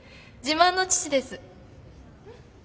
自慢の父です！